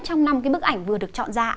trong năm cái bức ảnh vừa được chọn ra